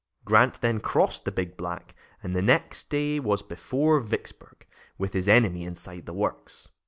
Grant then crossed the Big Black and the next day was before Vicksburg, with his enemy inside the works.